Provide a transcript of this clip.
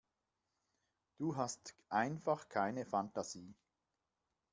Du hast einfach keine Fantasie.